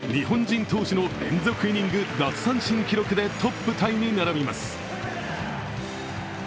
４番・清宮から三振を奪い日本人投手の連続イニング奪三振記録でトップタイに並びます。